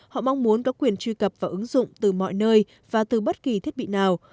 họ mong muốn có quyền truy cập vào ứng dụng từ mọi nơi và từ bất kỳ thiết bị nào